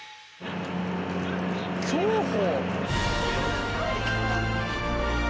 競歩！